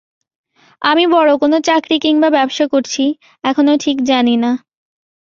আমি বড় কোনো চাকরি কিংবা ব্যবসা করছি, এখনো ঠিক জানি না।